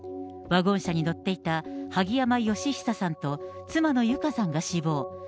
ワゴン車に乗っていた萩山嘉久さんと妻の友香さんが死亡。